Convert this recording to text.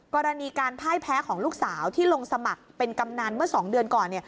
กรณีการพ่ายแพ้ของลูกสาวที่ลงสมัครเป็นกำนันเมื่อ๒เดือนก่อน